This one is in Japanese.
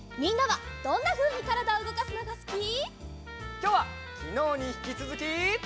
きょうはきのうにひきつづき。